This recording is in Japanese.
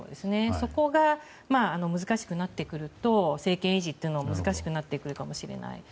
そこが難しくなってくると政権維持が難しくなってくるかもしれない。